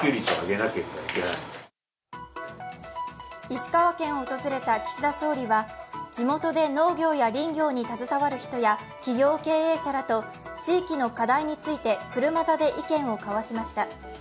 石川県を訪れた岸田総理は地元で農業や林業に携わる人や企業経営者らと地域の課題について車座で意見を交わしました。